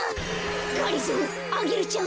がりぞーアゲルちゃん。